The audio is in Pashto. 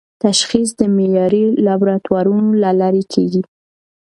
تشخیص د معیاري لابراتوارونو له لارې کېږي.